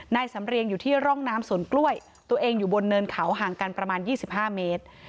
นายสำเรียงอยู่ที่ร่องน้ำสวนกล้วยตัวเองอยู่บนเนินเขาห่างกันประมาณ๒๕เมตร